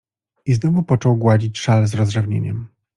I znowu począł gładzić szal z rozrzewnieniem.